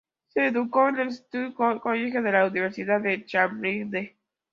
Se educó en el St John College de la Universidad de Cambridge.